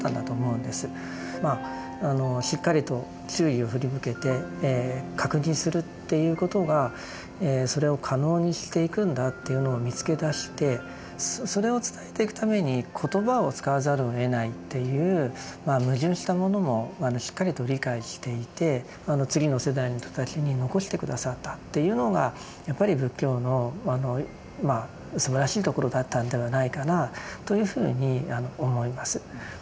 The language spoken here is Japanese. まああのしっかりと注意を振り向けて確認するっていうことがそれを可能にしていくんだというのを見つけ出してそれを伝えていくために言葉を使わざるをえないっていうまあ矛盾したものもしっかりと理解していて次の世代の人たちに残して下さったっていうのがやっぱり仏教のすばらしいところだったんではないかなというふうに思います。